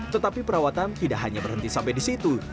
tetapi perawatan tidak hanya berhenti sampai di situ